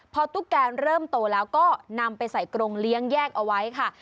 พอตุ๊กแกเริ่มโตแล้วก็นำไปใส่กรงเลี้ยงแยกเอาไว้ค่ะ